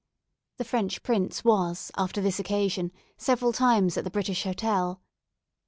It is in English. The French Prince was, after this occasion, several times at the British Hotel.